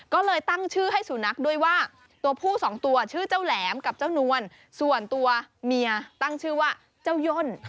ก็เลยตั้งชื่อให้สุนัขด้วยว่าตัวผู้สองตัวชื่อเจ้าแหลมกับเจ้านวลส่วนตัวเมียตั้งชื่อว่าเจ้าย่น